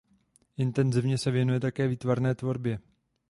Intenzivně se věnuje také výtvarné tvorbě.